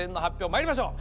まいりましょう。